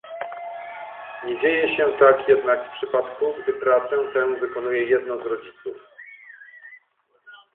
Nie dzieje się tak jednak w przypadku, gdy pracę tę wykonuje jedno z rodziców